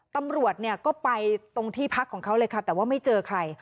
ตำรวจเนี่ยก็ไปตรงที่พักของเขาเลยค่ะแต่ว่าไม่เจอใคร